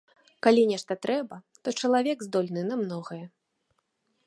Калі нешта трэба, то чалавек здольны на многае.